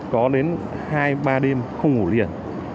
có đến hai ba đêm không ngủ liền